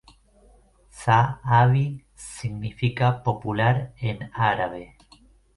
Šaʿabī significa "popular" en árabe.